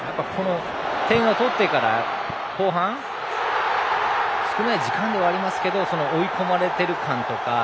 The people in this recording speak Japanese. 点を取ってから後半、少ない時間ではありますが追い込まれている感とか。